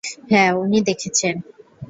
হ্যাঁ, উনি দেখেছেন!